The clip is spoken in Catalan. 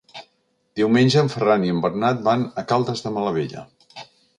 Diumenge en Ferran i en Bernat van a Caldes de Malavella.